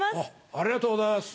ありがとうございます。